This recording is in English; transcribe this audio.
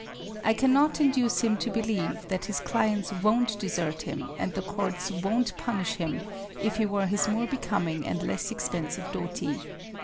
I cannot induce him to believe that his clients won't desert him and the courts won't punish him if he wore his more becoming and less expensive dhoti.